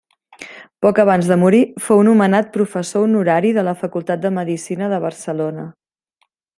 Poc abans de morir fou nomenat professor honorari de la Facultat de Medicina de Barcelona.